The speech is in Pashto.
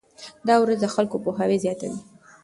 دا ورځ د خلکو پوهاوی زیاتوي.